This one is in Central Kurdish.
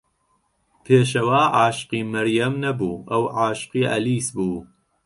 پێشەوا عاشقی مەریەم نەبوو، ئەو عاشقی ئەلیس بوو.